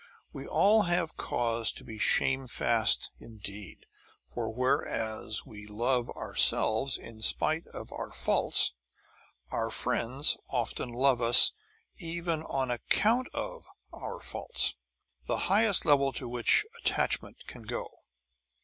We all have cause to be shamefast indeed; for whereas we love ourselves in spite of our faults, our friends often love us even on account of our faults, the highest level to which attachment can go.